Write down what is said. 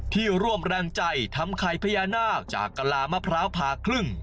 ร่วมแรงใจทำไข่พญานาคจากกะลามะพร้าวผ่าครึ่ง